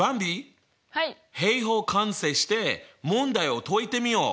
平方完成して問題を解いてみよう！